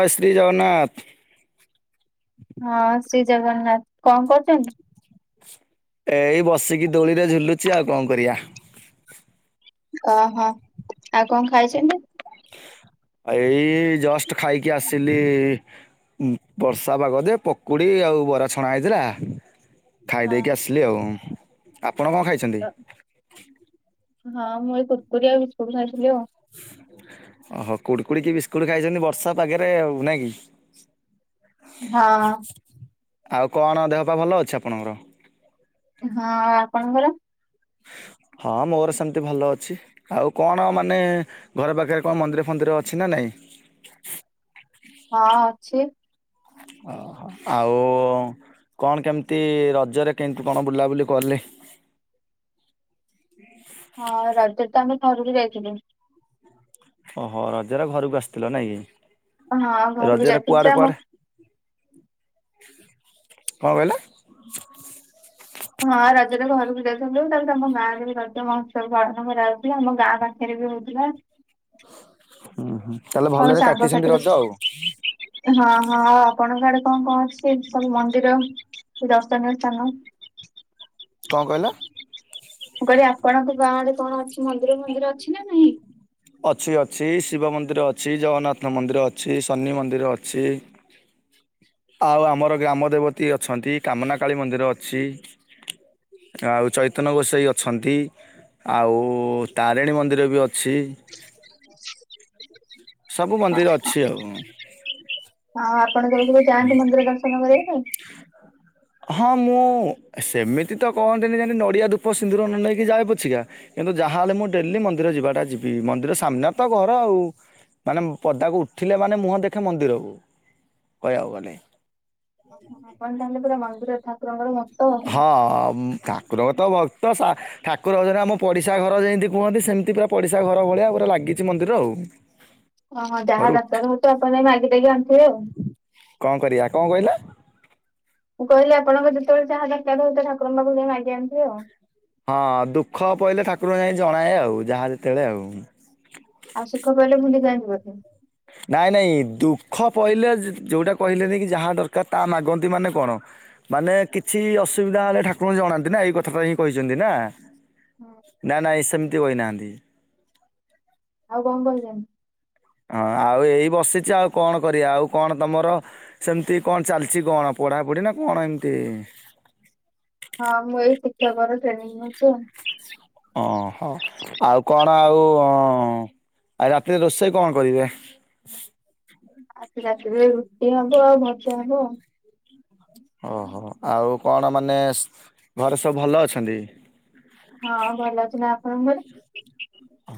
ହ ଶ୍ରୀ ଜଗନ୍ନାଥ। ହଁ ଶ୍ରୀ ଜଗନ୍ନାଥ କଣ କରୁଛନ୍ତି? ଏଇ ବସିକି ଦୋଳିରେ ଝୁଲୁଛି ଆଉ କଣ କରିବା? ଓହୋ! ଆଉ କଣ ଖାଇଛନ୍ତି? ଏଇ ଜଷ୍ଟ ଖାଇକି ଆସିଲି ବର୍ଷା ପାଗ ଯେ ପକୁଡ଼ି ଆଉ ବରା ଛଣା ହେଇଥିଲା ଖାଇ ଦେଇକି ହଁ ଆସିଲି ଆଉ, ଆପଣ କଣ ଖାଇଛନ୍ତି? ହଁ, ମୁଁ ଏଇ କୁୁରକୁରି ଆଉ ବିସ୍କୁଟ ଖାଇଥିଲି ଆଉ। ଓହୋ! କୁଡ଼କୁଡି କି ବିସ୍କୁଟ ଖାଇଛନ୍ତି ବର୍ଷା ପାଗରେ ଆଉ ନାଇଁ କି? ହଁ। ଆଉ କଣ ଦେହ ପା ଭଲ ଅଛି ଆପଣଙ୍କର? ହଁ, ଆଉ ଆପଣଙ୍କର? ହଁ, ମୋର ସେମିତି ଭଲ ଅଛି। ଆଉ କଣ ମାନେ ଘରେ ପାଖରେ କଣ ମନ୍ଦିର ଫନ୍ଦିର ଅଛି ନା ନାଇଁ? ହଁ, ଅଛି। ଓହୋ! ଆଉ କଣ କେମିତି ରଜରେ କେମତି କଣ ବୁଲାବୁଲି କଲେ? ହଁ, ରଜରେ ତ ଆମେ ଘରକୁ ଯାଇଥିଲୁ। ଓହୋ! ରଜ ର ଘରକୁ ଆସିଥିଲ ନାଇଁ ହଁ କି ଘରକୁ ରଜର ଯାଇଥିଲି ଯେ କୁଆଡେ ଆମ କୁଆଡେ କଣ କହିଲେ? ହଁ, ରଜରେ ଘରକୁ ଯାଇଥିଲୁ ତାପରେ ଆମ ଗାଁ ରେ ବି ଏହା ରଜ ମହୋତ୍ସବ ପାଳନ କରାହଉଚି ଆମ ଗାଁ ପା ହେରେ ବି ହଉଥିଲା। ହୁଁ, ହୁଁ ତାହଲେ ଆଉ ଭଲରେ କାଟିଛନ୍ତି ରଜ ସାଙ୍ଗସାଥିଙ୍କ ଆଉ। ହଁ, ହଁ ଆପଣଙ୍କ ଆଡେ କଣ କଣ ଅଛି ସବୁ ମନ୍ଦିର ଦର୍ଶନିୟ ସ୍ଥାନ? କଣ କହିଲ? ମୁଁ କହିଲେ ଆପଣଙ୍କ ଗାଁ ଆଡ଼େ କଣ ଅଛି ମନ୍ଦିର ମନ୍ଦିର ଅଛି ନା ନାହିଁ? ଅଛି ଅଛି ଶିବ ମନ୍ଦିର ଅଛି, ଜଗନ୍ନାଥ ମନ୍ଦିର ଅଛି, ଶନି ମନ୍ଦିର ଅଛି। ଆଉ ଆମର ଗ୍ରାମ ଦେବତୀ ଅଛନ୍ତି, କାମନା କଳୀ ମନ୍ଦିର ଅଛି। ଆଉ ଚୈତନ ଗୋସେଇ ଅଛନ୍ତି। ଆଉ, ତାରିଣୀ ମନ୍ଦିର ବି ଅଛି। ସବୁ ମନ୍ଦିର ଅଛି ଆଉ। ଆଉ, ଆପଣ ଯୋଉ କେବେ ଯାଆନ୍ତି ମନ୍ଦିର ଦର୍ଶନ କରିବା ପାଇଁ? ହଁ, ମୁଁ ସେମିତି ତ କହନ୍ତିନି ଯେ ନଡ଼ିଆ, ଧୂପ, ସିନ୍ଦୁର ନ ନେଇକି ଯାଏ ପଛିକା କିନ୍ତୁ, ଯାହାହେଲେ ମୁଁ ଡେଲି ମନ୍ଦିର ଯିବାଟା ଯିବି। ମନ୍ଦିର ସାମ୍ନା ତ ଘର ଆଉ। ମାନେ ପଦାକୁ ଉଠିଲେ ମାନେ ମୁହଁ ଦେଖେ ମନ୍ଦିରକୁ। କହିବାକୁ ଗଲେ। ଆପଣ ତାହେଲେ ପୁରା ମନ୍ଦିର ଠାକୁରଙ୍କର ଭକ୍ତ ଆଉ। ହଁ, ଠାକୁରଙ୍କ ତ ଭକ୍ତ ସା ଠାକୁର ହଜାରେ ଆମ ପଡିଶା ଘର ଯେଁତି କୁହନ୍ତି ସେମିତି ପୁରା ପଡିଶା ଘର ଭଳିଆ ପୁରା ଲାଗିଛି, ମନ୍ଦିର ଆଉ। ଓହୋ! ଯାହା ହରୁ ଉଠ ଦରକାର ହଉଥିବ ଆପଣ ଯାଇକି, ମାଗି ଦେଇକି ଆଣୁଥିବେ ଆଉ? କଣ କରିବା, କଣ କହିଲେ? ମୁଁ କହିଲି ଆପଣଙ୍କ ଯେତେବେଳେ ଯାହା ଦରକାର ହଉଥିବ, ଠାକୁରଙ୍କ ପାଖକୁ ଯାଇକି ମାଗି ଆଣିିଥିବେ ଆଉ? ହଁ, ଦୁଃଖ ପଇଲେ ଠାକୁରଙ୍କୁ ଯାଇ ଜଣାଏ ଆଉ। ଯାହା ଯେତେବେଳେ ଆଉ। ଆଉ, ସୁଖ ପଇଲେ ଭୁଲି ଯାଆନ୍ତି ବୋଧେ? ନାଇଁ, ନାଇଁ, ଦୁଃଖ ପଇଲେ ଯ-ଯୋଉଟା କହିଲେନି କି ଯାହା ଦରକାର ତା ମାଗନ୍ତି ମାନେ କଣ? ମାନେ କିଛି ଅସୁବିଧା ହେଲେ, ଠାକୁରଙ୍କୁ ଜଣାନ୍ତି ନା। ଏଇ କଥାଟା ହିଁ କହିଛନ୍ତି ନା। ନା ନାଇଁ ସେମିତି କହିନାହାଁନ୍ତି? ଆଉ କଣ କହିଚନ୍? ହଁ, ଆଉ ଏଇ ବସିଛି, ଆଉ କଣ କରିବା? ଆଉ କଣ ତମର ସେମିତି କଣ ଚାଲିଛି କଣ, ପଢାପଢି ନା କଣ ଏମିତି? ହଁ, ମୁଁ ଏଇ ଶିକ୍ଷକର ଟ୍ରେନିଂ ନଉଚି ଆଉ। ଓହୋ! ଆଉ କଣ ଆଉ-ଉଁ ଆଇ ରାତିରେ ରୋଷେଇ କଣ କରିବେ? ଆଜି ରାତିରେ ରୁଟି ହବ, ଆଉ ଭଜା ହବ ଆଉ। ଓହୋ! ଆଉ କଣ ମାନେ ଘରେ ସବୁ ଭଲ ଅଛନ୍ତି? ହଁ, ଭଲ ଅଛନି। ଆପଣଙ୍କ ଘରେ?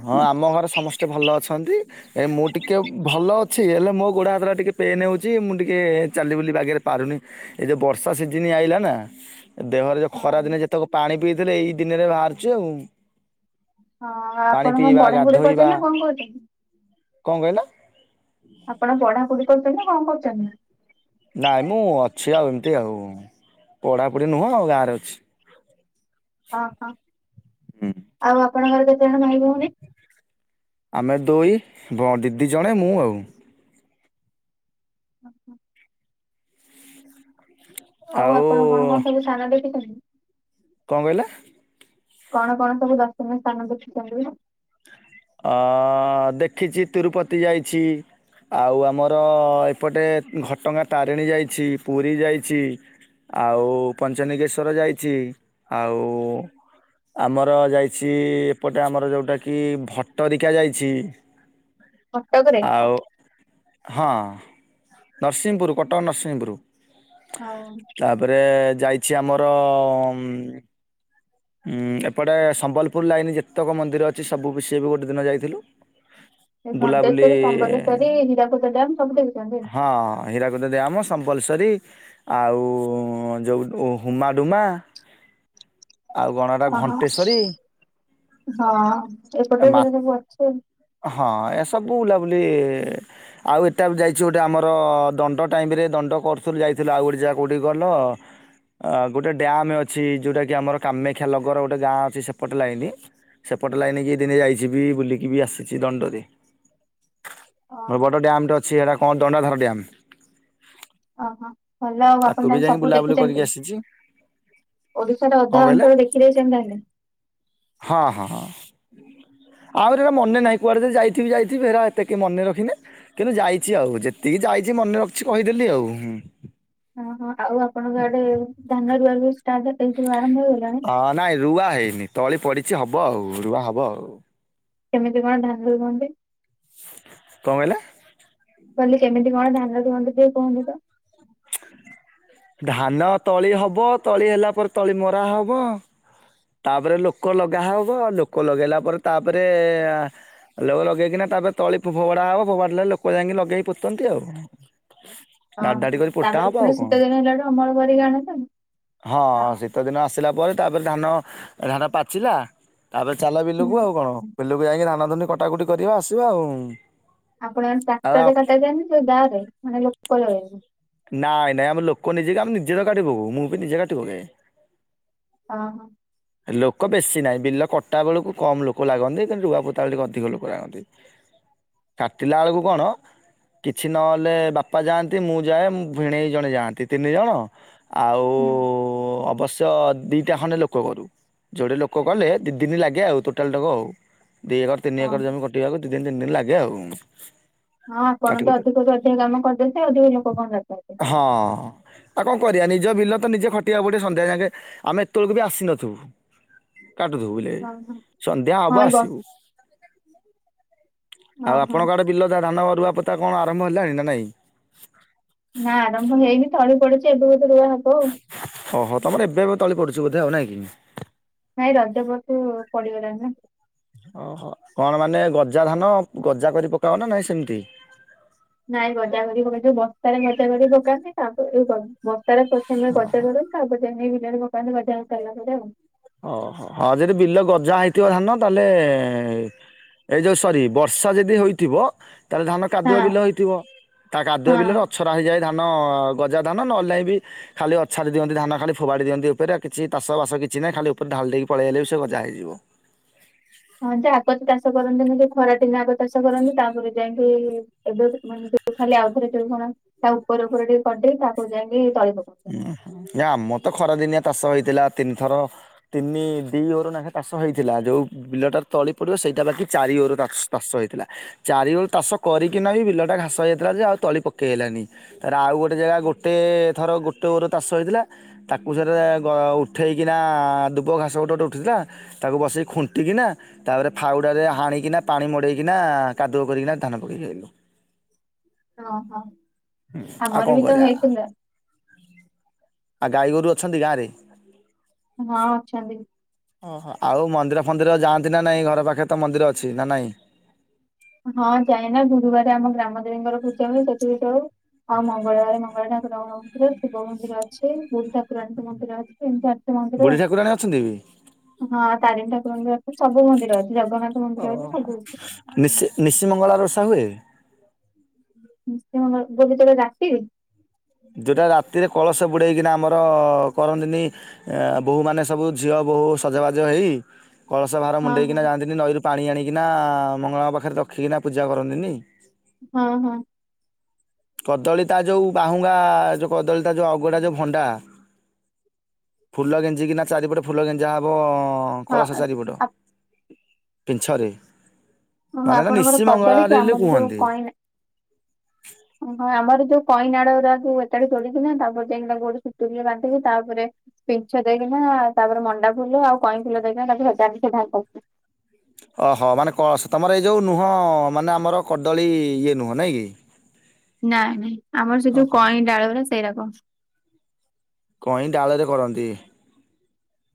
ହଁ, ଆମ ଘରେ ସମସ୍ତେ ଭଲ ଅଛନ୍ତି। ଏ ମୁଁ ଟିକେ ଭଲ ଅଛି, ହେଲେ ମୋ ଗୋଡ଼ ହାତଟା ଟିକେ ପେନ୍ ହେଉଛି। ମୁଁ ଟିକେ ଚାଲି ବୁଲି ବାଗରେ ପାରୁନି। ଏଇ ଯେ ବର୍ଷା ସିଜିନ଼ ଆଇଲା ନା! ଦେହରେ ଯୋଉ ହଁ। ଖରା ଦିନେ ଯେତେକ ପାଣି ପିଇଥିଲେ। ଏଇ ଦିନରେ ବାହାରୁଛି ଆଉ ହଁ ପାଣି ଆପଣ କଣ ପିଇବା, ପଢାପଢି କରୁଛନ୍ତି ଗାଧୋଇବା, ନା କଣ କରୁଛନ୍ତି? କଣ କହିଲ? ଆପଣ ପଢାପଢି କରୁଚନି ନା କଣ କରୁଚନି? ନାଇଁ, ମୁଁ ଅଛି, ଆଉ ଏମିତି ଆଉ। ପଢାପଢି ନୁହଁ ଗାଁରେ ଅଛି। ଅ ହଁ, ଆଉ ଆପଣଙ୍କର କେତେଜଣ ଭାଇ ଭଉଣୀ? ଆମେ ଦୁଇ, ଦିଦି ଜଣେ ମୁଁ ଆଉ। ହ ହୋ ଆଉ, ଆପଣ କଣ କଣ ସବୁ ସାର ଦେଖିଛନ୍ତି? କଣ କହିଲେ? କଣ କଣ ସବୁ ଦର୍ଶନୀୟ ସ୍ଥାନ ଦେଖିଚନ୍ତି? ଅ-ଅ-ଅ ଦେଖିଛି, ତିରୁପତି ଯାଇଛି। ଆଉ, ଆମର ଏପଟେ ଘଟଗା ତାରିଣୀ ଯାଇଛି। ପୁରୀ ଯାଇଛି। ଆଉ, ପଞ୍ଚନିଗେଶ୍ୱର ଯାଇଛି। ଆଉ ଆମର ଯାଇଛି, ଏପଟେ ଆମର ଯଉଟାକି ଭଟ୍ ଟ୍ଟରିକା ଯାଇଛି। କଟକରେ ହଁ ଆଉ ହଁ, ନରସିଂହପୁରୁ କଟକ ନରସିଂହପୁରୁ। ହଁ। ତା'ପରେ ଯାଇଛି, ଆମର-ର-ଅମ୍ ହୁଁ, ଏପଟେ ସମ୍ବଲପୁର ଲାଇନ୍ ଯେତେକ ମନ୍ଦିର ଅଛି, ସବୁ ବି ସିଏ ବି ଗୋଟେ ଦିନ ଯାଇଥିଲୁ। ଏ ଘଣ୍ଟେଶ୍ୱରୀ, ବୁଲାବୁଲି ସମ୍ବଲେଶ୍ୱରୀ, ହୀରାକୁଦ ଡ୍ୟାମ୍ ସବୁ ଦେଖୀଛନ୍ତି। ହଁ, ହୀରାକୁଦୁ ଡ୍ୟାମ, ସମବ୍ଲସରୀ ଆଉ-ଉଁ ଯଉଁ ହୁମାଡୁମା। ଆଉ କଣ ଏଟା ଓହ ହଁ ଘଣ୍ଟେଶ୍ଵରୀ ଏପଟେ ମା ଦିନେ ଦିନେ [unintelligible] ହଁ ଏସବୁ ବୁଲା ବୁଲି ଆଉ ଏଟା ବି ଯାଇଛୁ ଗୋଟେ ଆମର ଦଣ୍ଡ ଟାଇମରେ ଦଣ୍ଡ କରୁଥିଲୁ ଯାଇଥିଲୁ ଆଉ ଗୋଟେ ଯାଗା କଉଠି କହିଲ ଆ ଗୋଟେ ଡ୍ୟାମ ଅଛି ଯୋଉଟା କି ଆମର କାମାକ୍ଷା ନଗର ଗୋଟେ ଗାଁ ଅଛି ସେପଟେ ଲାଇନି ସେପଟ ଲାଇନକି ଦିନେ ଯାଇଛିି ବି ବୁଲିକି ବି ଆସିଛି ଦଣ୍ଡରେ ଓହୋ ବଡ ଡ୍ୟାମ୍ ଟେ ଅଛି ସେଟା କଣ ଦଣ୍ଡାଧାର ଡ୍ୟାମ୍ ଓହୋ ଭଲ ଆଉ ଆପଣ ତାହେଲେ ସବୁ କରିକି ଦେଖିଛନ୍ତି ଆସିଛି ଓଡିଶାର କଣ ଅଧା କହିଲେ ଅଞ୍ଚଳ ଦେଖି ଦେଇଛନ୍ତି ତାହେଲେ ହଁ ହଁଁ ହଁ ଆହୁରି ଏରା ମନେ ନାହିଁ କୁଆଡ଼େ ଯାଇଥି ଯାଇଥିବି ହେରା ଏତେକେ ମନେରଖି ନାହିଁ କିନ୍ତୁ ଯାଇଛି ଆଉ ଯେତିକି ଯାଇଛି ମନେ ରଖିଛି କହିଦେଲି ଆଉ ହୁଁ ହଁ ଆଉ ଆପଣଙ୍କ ଆଡେ ଧାନ ରୁଆ ରୁଇ ଷ୍ଟାର୍ଟ ଏଇ ସବୁ ଆରମ୍ଭ ହେଇଗଲାଣି ହଁ ନାଇଁ ରୁଆ ହେଇନି ତଳି ପଡ଼ିଛି ହବ ଆଉ ରୁଆ ହବ ଆଉ କେମିତି କଣ ଧାନ ରୁଅନ୍ତି କଣ କହିଲେ? କହିଲି କେମିତି କଣ ଧାନ ରୁହନ୍ତୁ ଟିକେ କୁହନ୍ତୁ ତ ଧାନ ତଳି ହବ ତଳି ହେଲା ପରେ ତଳି ମରା ହବ ତାପରେ ଲୋକ ଲଗା ହବ ଲୋକ ଲଗେଇଲା ପରେ ତାପରେ ଲୋକ ଲଗେଇକିନା ତାପରେ ତଳି ଭୋଡ଼ା ହେବ ଭୋଡା ହେଲେ ଲୋକ ଯାଇକି ଲଗେଇକି କରୁଛନ୍ତି ଆଉ ଧାଡି ଧାଡି ଓହୋ କରି ପୋତା ତାପରେ ହବ ଆଉ ପୁଣି କଣ? ଶୀତଦିନ ହେଲାଠୁ ଅମଳ କରିିକି ଆଣିବେ ହଁ ଶୀତଦିନ ଆସିଲା ପରେ ତାପରେ ଧାନ ଧାନ ପାଚିଲା ତାପରେ ଚାଲ ହୁଁ ବିଲକୁ ଆଉ କଣ ବିଲକୁ ଯାଇକି ଧାନ ଧୁନି କଟାକଟି କରିବା ଆସିବା ଆଉ ଆପଣ ଆଉ ଟ୍ରାକ୍ଟର ଆ ରେ କଟାଯାଏ ନା ଗାଁରେ ମାନେ ଲୋକ ଲଗେଇକି ନାଇଁ ନାଇଁ ଆମ ଲୋକ ନିଜେ ଆମେ ନିଜେ ତ କାଟି ପକଉ ମୁଁ ବି ନିଜେ କାଟି ପକାଏ ହଁ ହଁ ଲୋକ ବେଶୀ ନାହିଁ ବିଲ କଟା ବେଳକୁ କମ୍ ଲୋକ ଲାଗନ୍ତି କିନ୍ତୁ ରୁଆପୋତା ବେଳକୁ ଅଧିକ ଲୋକ ଲାଗନ୍ତି କାଟିଲା ବେଳକୁ କଣ କିଛି ନହେଲେ ବାପା ଯାଆନ୍ତି ମୁଁ ଯାଏ ଭିଣେଇ ଜଣେ ଯାଆନ୍ତି ତିନି ଜଣ ଆଉ ହୁଁ ଅବଶ୍ୟ ତ ଦିଟା ଖଣ୍ଡେ ଲୋକ କରୁ ଜଣେ ଲୋକ କଲେ ଦି ଦିନ ଲାଗେ ଆଉ ଟୋଟାଲ ଟାକୁ ଆଉ ତିନି ଅହ ଏକର ଜମି କଟିବାକୁ ଦି ତିନି ଦିନ ଲାଗେ ଆଉ ହଁ ଆପଣ କାଟି ତ କୁଟାକି ଅଧିକରୁୁ ଅଧିକ କାମ କରିଦିଅନ୍ତି ଅଧିକ ଲୋକ କଣ ଦରକାରେ ହଁ ଆଉ କଣ କରିବା ନିଜ ବିଲ ତ ନିଜେ ଖଟିବାକୁ ପଡିବ ସନ୍ଧ୍ୟା ଯାକେ ଆମେ ଏତେବେଳକୁ ବି ଆସିନଥିବୁ କାଟୁଥିବୁ ବୋଲି ଅହ ହଁ ସନ୍ଧ୍ୟା ହଁ ହବ ଏଇ ବର୍ ଆସିବୁ ଆଉ ଅହ ଆପଣଙ୍କ ଆଡେ ବିଲଯା ଧାନ ରୁଆ ପଟା କଣ ଆରମ୍ଭ ହେଲାଣି ନା ନାଇଁ ନା ଆରମ୍ଭ ହେଇନି ତୋଳି ପଡୁଛି ଏବେ ବିଧେ ରୁଆ ହବ ଆଉ ଓହୋ ତମର ଏବେ ଏବେ ତଳି ପଡୁଛ ବୋଧେ ଆଉ ନାଇଁ ନାଇଁ ରଜ ପରଠୁ ପଡିଗଲାଣି ନା ଓହୋ କଣ ମାନେ ଗଜା ଧାନ ଗଜା କରି ପକାଅ ନା ନାଇଁ ସେମିତି ନାଇଁ ଗଜା କରି ପ ଯୋଉ ବସ୍ତାରେ ଗଜା କରି ପକାନ୍ତି ତାପରେ ବସ୍ତାରେ ପ୍ରଥମ ଗଜା କରୁ ତା ବ ନେଇ ବିଲରେ ପୋକାନ୍ତି [unintelligible] ଓହୋ ହଁ ଯଦି ବିଲ ଗଜା ହେଇଥିବ ଧାନ ତାହେଲେ ଏଇ ଯୋଉ ସରି ବର୍ଷା ଯଦି ହେଇଥିବ ତାହେଲେ ଧାନ କାଦୁଆ ବିଲ ହଁ ହେଇଥିବ ତା କାଦୁଆ ହଁ। ବିଲରେ ଛୋରା ହୋଇ ଯାଏ ଧାନ ଗଜା ଧାନ ନହେଲେଇବି ଖାଲି ଅଛାଡ଼ି ଦିଅନ୍ତି ଧାନ ଖାଲି ଫୋପାଡି ଦଅନ୍ତି ଉପରେ କିଛି ଚାଷ ବାସ କିଛି ନାହିଁ ଖାଲି ତା ପରେ ଢାଳି ଦେଇକି ପଳାଇଲେ ବି ସେ ଗଜା ହୋଇଯିବ ହଁ ଯେ ଏପଟେ ଚାଷ କରନ୍ତି ଯେ ଖରାଦିନେ ଆଗ ଚାଷ କରନ୍ତି ତାପରେ ଯାଇକି ଏବେ ମାନେ ଖାଲି ଆଉଥରେ ଯୋଉ କଣ ତା ଉପର ଉପରେ ଟିକେ କରି ଦେଇ କି ତାକୁ ଯାଇକି ତଳି ପକ- ଆମ ତ ଖରାଦିନିଆ ଚାଷ ହେଇଥିଲା ତିନିଥର ତିନି ଦି ଓର ବେଖା ଚାଷ ହେଇଥିଲା ଯୋଉ। ବିଲଟା ତଳି ପଡିବ ସେଇଟା ବାକି ଚାରି ଓର ଚା-ଚାଷ ହେଇଥିଲା। ଚାରି ଓର ଚାଷ କରିକିନା ବି ବିଲଟା ଘାସ ହେଇଥିଲା ଯେ ଆଉ ତଳି ପକେଇ ହେଲାନି। ତାପରେ ଆଉ ଗୋଟେ ଜାଗା ଗୋଟେ ଥର ଗୋଟେ ଓର ଚାଷ ହେଇଥିଲା। ତାକୁ ସେଟା ରେ ଗ ଉଠେଇକିନା ଦୁବ ଘାସ ଗୋଟେ ଗୋଟେ ଉଠିଥିଲା। ତାକୁ ବସେଇ ଖୁଣ୍ଟିକିନା। ତାପରେ ଫାଉଡାରେ ହାଣିକିନା ପାଣି ମଡେଇକିନା କାଦୁଅ କରିକିନା ଧାନ ପକେଇକି ଆଇଲୁ। ଓ ହୋ ଆଉ କଣ ଆମର ବି ତ କରିବା ହେଇଥିଲା। ଆଉ ଗାଈଗୋରୁ ଅଛନ୍ତି ଗାଁରେ? ହଁ ଅଛନ୍ତି। ଓହୋ ଆଉ ମନ୍ଦିର ଫନ୍ଦିର ଯାଆନ୍ତି ନା ନାଇଁ ଘର ପାଖେ ତ ମନ୍ଦିର ଅଛି ନା ନାଇଁ? ହଁ ଯାଏନା ଗୁରୁବାର ଆମ ଗ୍ରାମ ଦେବୀଙ୍କର ପୂଜା ହୁଏ ସେଠିକୁ ଯାଏ। ଆଉ ମଙ୍ଗଳବାରେ ମଙ୍ଗଳା ଠାକୁରଙ୍କ। [unintelligible] ଶିବ ମନ୍ଦିର ଅଛି ବୁଢ଼ି ଠାକୁରଣିଙ୍କ ମନ୍ଦିର ଅଛି ଏମିତି ଅଛି ମନ୍ଦିର ବୁଢୀ ଠାକୁରାଣୀ ଅଛନ୍ତି ବି ଆଉ। ହଁ ତାରିଣୀ ଠାକୁରଙ୍କର ଅଛି ସବୁ ମନ୍ଦିର ଅଛି ଜଗନ୍ନାଥ ମନ୍ଦିର ଅଛି ସବୁ। ନିଶ ନିଶି ମଙ୍ଗଳବାର ଓଷା ହୁଏ। ନିଷି ମଙ୍ଗଳା [unintelligible] ରାତିି। ଯଉଟା ରାତିରେ କଳସ ବୁଡ଼େଇକିନା ଆମର କରନ୍ତିନି। ଆ ବୋହୂ ମାନେ ସବୁ ଝିଅ ବୋହୂ ସଜବାଜ ହେଇ। କଳସ ଭାର ହଁ ମୁଣ୍ଡେଇକିନା ଯାଆନ୍ତିନି ନଈରୁ ପାଣି ଆଣିକିନା ମଙ୍ଗଳାଙ୍କ ପାଖରେ ରଖିକିନା ପୂଜା କରନ୍ତିନି। ହଁ ହଁ। କଦଳୀ ତା ଯୋଉ ବାହୁଙ୍ଗା ଯୋଉ କଦଳୀ ତା ଯୋଉ ଅଗଟା ଯୋଉ ଭଣ୍ଡା। ଫୁଲ ଗେଞ୍ଜିିକି ନା ଚାରିପଟେ ଫୁଲ ଗେଞ୍ଜା ହବ। କଳସ ଚାରିପଟ ହଁ ପିଞ୍ଚରେ। ଓହୋ ମାନେ ତ ଆପଣଙ୍କର ନିସି କଦଳୀ କି ମଙ୍ଗଳବାରେ ବୋଲି ଆମର କୁହନ୍ତି। ଓ ହଁ ଆମର ଯୋଉ କଇଁ ନାଡ ଗୁଡାକୁ ଏକାଠି ତୋଳିକି ନା ତାପରେ ଯାଇକି ତାଙ୍କୁ ଗୁଟେ ସୁତୁଲିରେ ବାନ୍ଧିକି ତାପରେ। ପିଞ୍ଚ ଦେଇକିନା ତାପରେ ମଣ୍ଡା ଫୁଲ ଆଉ କଇଁ ଫୁଲ ଦେଇକିନା ତାଙ୍କୁ ସଜାନ୍ତି [unintelligible] ଅହ ମାନେ କସ ତମର ଏଇ ଯଉ ନୁହଁ ମାନେ ଆମର କଦଳୀ ଇଏ ନୁହଁ ନାହିଁ କି। ନାଇଁ ନାଇଁ ଆମର ସେ ଯୋଉ କଇଁ ଡାଳ ଗୁଡ଼ା ସେଇରା କ। କଇଁ ଡାଳରେ କରନ୍ତି।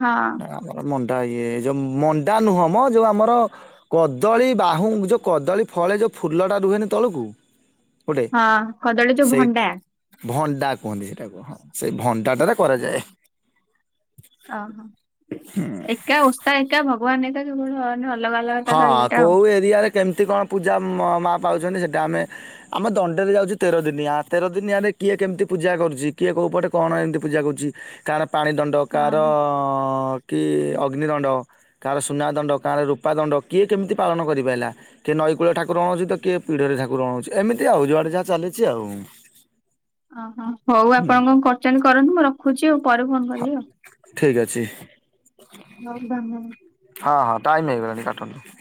ହଁ। ଅ ମଣ୍ଡା ଇଏ ଯୋଉ ମଣ୍ଡା ନୁହଁ ମ ଯୋଉ ଆମର। କଦଳୀ ବାହୁଂ ଯୋଉ କଦଳୀ ଫଳେ ଯୋଉ ଫୁଲଟା ରୁହେନି ତଳକୁ। ଗୋଟେ ହଁ କଦଳୀ ଯୋଉ ସେଇ ଭଣ୍ଡା। ଭଣ୍ଡା କୁହନ୍ତି ସେଟାକୁ ହଁ ସେ ଭଣ୍ଡା ଟା ରେ କରାଯାଏ। ଓହୋ ଏକା ଓଷା ଏକା ଭଗବାନ ଏକା କେବଳ ନହ ହଁ କୋଉ ଏରିଆରେ କେମିତି କଣ ପୂଜା ମ-ମା ପାଉଛନ୍ତି ସେଟା ଆମେ। ଆମ ଦଣ୍ଡେରେ ଯାଉଚି ତେରଦିନିଆ ତେର ଦିନିଆରେ କିଏ କେମିତି ପୂଜା କରୁଛି କିଏ କଉ ପଟେ କଣ ଏମିତି ପୂଜା କରୁଛି। କାହାର ପାଣି ଦ ଡ କାହାର ହଁ କି ଅଗ୍ନି ଦଣ୍ଡ କାହାର ସୁନା ଦଣ୍ଡ କାହାର ରୂ ପା ଦଣ୍ଡ କିଏ କେମିତି ପାଳନ କରିପାଇଲା। କିଏ ନଈ କୂଳ ଠାକୁରଁଉଛି ତ କିଏ ପିଢରେ ଠାକୁରଁଉଛି ଏମିତି ଆଉ ଯୁଆଡେ ଯାହା ଚାଲିଛି ଆଉ। ଅ ହଁ ହଉ ଆପଣ କଣ କରୁଛନ୍ତି କରନ୍ତୁ ମୁଁ ରଖୁଛି ଆଉ ପରେ ଫୋନ କରିବି ଆଉ। ଠିକ ଅଛି। ହଉ ଧନ୍ୟବାଦ। ହଁ ହଁ ଟାଇମ୍ ହେଇଗଲାଣି କାଟନ୍ତୁ।